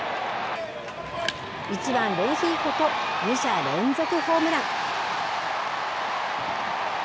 １番レンヒーフォと、２者連続ホームラン。